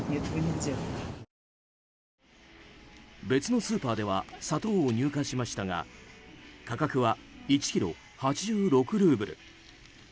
別のスーパーでは砂糖を入荷しましたが価格は１ｋｇ、８６ルーブル。